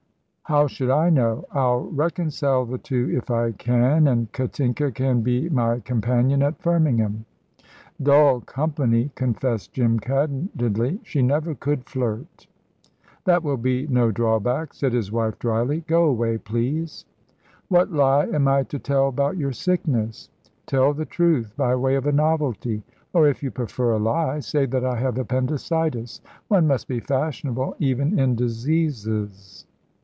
"How should I know? I'll reconcile the two if I can, and Katinka can be my companion at Firmingham." "Dull company," confessed Jim, candidly; "she never could flirt." "That will be no drawback," said his wife, dryly. "Go away, please." "What lie am I to tell 'bout your sickness?" "Tell the truth, by way of a novelty; or if you prefer a lie, say that I have appendicitis. One must be fashionable, even in diseases."